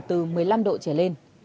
từ một mươi năm độ trở lên